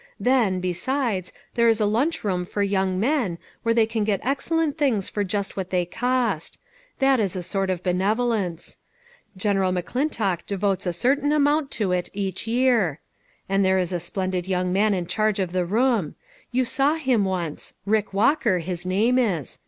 Then, be sides, there is a lunch room for young men, where they can get excellent things for just what they cost; that is a sort of benevolence. General McClintock devotes a certain amount to it each year ; and there is a splendid young man in charge of the room ; you saw him once, Rick Walker, his name is.